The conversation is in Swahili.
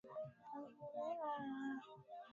tayari serikali imeanzisha uchunguzi maalumu